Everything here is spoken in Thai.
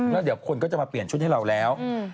แล้วเดี๋ยวคนก็จะมาเปลี่ยนชุดให้เราแล้ว